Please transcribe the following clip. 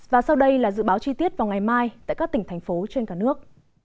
và sau đây là dự báo chi tiết vào ngày mai tại các tỉnh thành phố trên cả nước